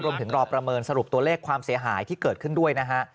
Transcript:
รอประเมินสรุปตัวเลขความเสียหายที่เกิดขึ้นด้วยนะฮะ